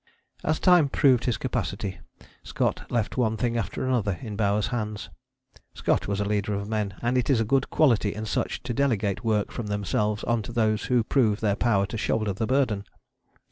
As time proved his capacity Scott left one thing after another in Bowers' hands. Scott was a leader of men, and it is a good quality in such to delegate work from themselves on to those who prove their power to shoulder the burden.